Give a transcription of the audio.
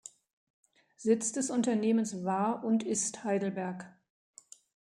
Sitz des Unternehmens war und ist Heidelberg.